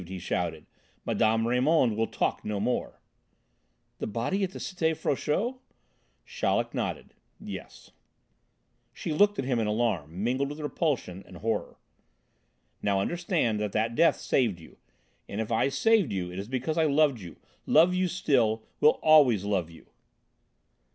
he shouted. "Mme. Raymond will talk no more!" "The body at the Cité Frochot!" Chaleck nodded. "Yes." She looked at him in alarm, mingled with repulsion and horror. "Now, understand that that death saved you, and if I saved you it is because I loved you, love you still, will always love you!"